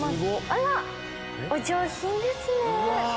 あら！お上品ですね。